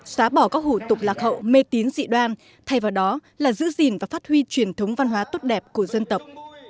xóa bỏ các hủ tục lạc hậu mê tín dị đoan thay vào đó là giữ gìn và phát huy truyền thống văn hóa tốt đẹp của dân tộc